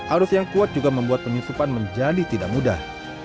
arus yang kuat juga membuat penyusupan menjadi tidak mudah